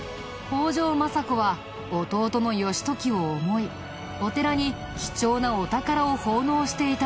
北条政子は弟の義時を思いお寺に貴重なお宝を奉納していたんだ。